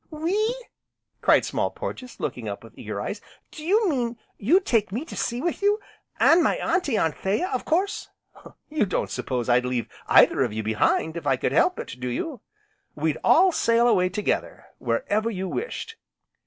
"We?" cried Small Porges, looking up with eager eyes, "do you mean you'd take me to sea with you, an' my Auntie Anthea, of course?" "You don't suppose I'd leave either of you behind, if I could help it, do you? We'd all sail away together wherever you wished."